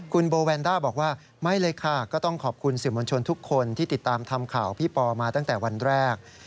คุณโบแวนด้าบอกว่าไม่เลยค่ะก็ต้องขอบคุณสื่อมวลชนทุกคนที่ติดตามทำข่าวพี่ปอมาตั้งแต่วันแรก